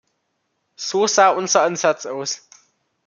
So sah unser Ansatz aus.